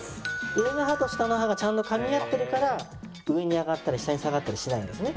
上の歯と下の歯がちゃんと噛み合ってるから上に上がったり下に下がったりしないんですね。